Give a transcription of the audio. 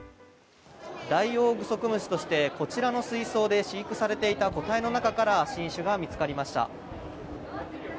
ダイオウグソクムシとしてこちらの水槽で飼育されていた個体の中から新種が見つかりました。